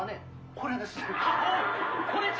これです。